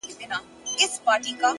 د نوم له سيـتاره دى لـوېـدلى”